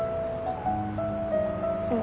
うん。